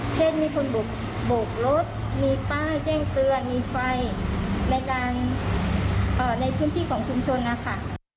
เช่นมีคนบกรถมีป้าแย่งเตือนมีไฟในทุนที่ของชุมชนนะค่ะ